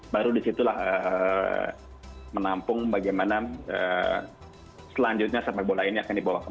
baru disitulah menampung bagaimana selanjutnya sepak bola ini akan dibawa kembali